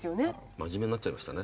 真面目になっちゃいましたね。